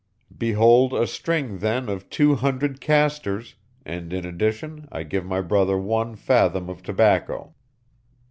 Behold a string, then, of two hundred 'castors,' and in addition I give my brother one fathom of tobacco."